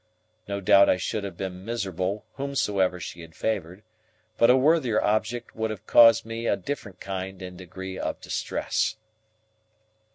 No doubt I should have been miserable whomsoever she had favoured; but a worthier object would have caused me a different kind and degree of distress.